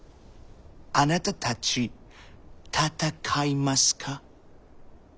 あなたたちたたかいますか？